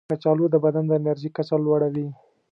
کچالو د بدن د انرژي کچه لوړوي.